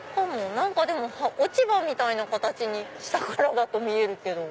何か落ち葉みたいな形に下からだと見えるけど。